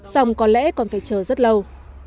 xong có lẽ còn phải chờ rất lâu